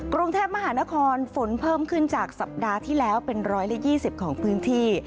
กรุงเทพมหานครฝนเพิ่มขึ้นจากสัปดาห์ที่แล้วเป็น๑๒๐ของพื้นที่